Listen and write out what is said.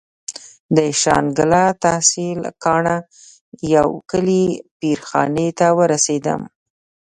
د شانګله تحصيل کاڼه يو کلي پير خاني ته ورسېدم.